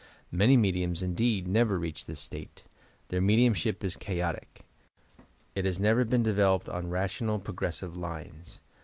Many mediums, indeed, never reach this state. Their mediumship ia chaotic. It has never been developed on rational, pro gressive lines.